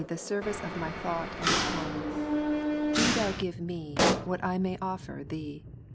227 service of my thought and tongue ; do Thou give me, what I may offer Thee.